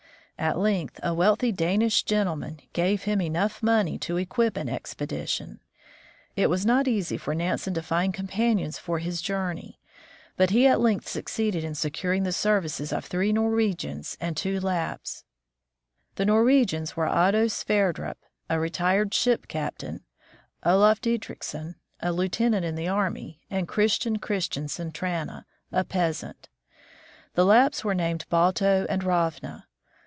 At length a wealthy Danish gentleman gave him enough money to equip an expedition. It was not easy for Nansen to find Fridtjof Nansen. NANSEN CROSSES GREENLAND 107 companions for this journey, but he at length succeeded in securing the services of three Norwegians and two Lapps. The Norwegians were Otto Sverdrup, a retired ship captain, Oluf Dietrichson, a lieutenant in the army, and Kristian Kristiansen Trana, a peasant. The Lapps were named Balto and Ravna.